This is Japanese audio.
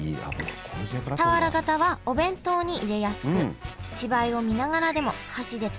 俵型はお弁当に入れやすく芝居を見ながらでも箸でつまみやすい。